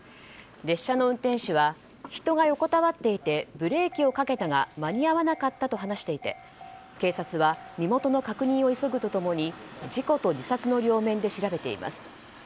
列車の運転士は人が横たわっていてブレーキをかけたが間に合わなかったと話していて警察は、身元の確認を急ぐと共に事故と自殺の両面で調べています。